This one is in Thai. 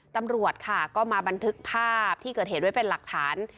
ตำรวจค่ะก็มาบันทึกภาพที่เกิดเหตุไว้เป็นหลักฐาน